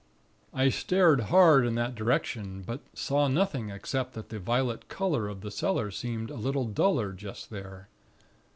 "I stared hard in that direction; but saw nothing, except that the violet color of the cellar seemed a little duller just there.